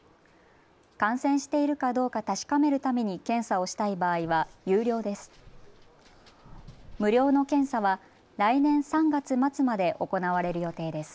感染しているかどうか確かめるために検査をしたい場合は有料です。